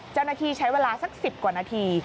เจ้าหน้าที่ใช้เวลาสัก๑๐กว่านาที